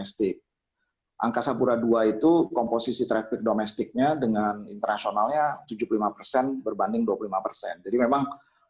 covid sembilan belas menghasilkukan beberapa hal tentang hal yang didalam setelah pandemik